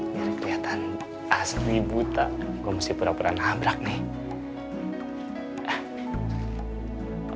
dari keliatan asli buta gue mesti pura pura nabrak nih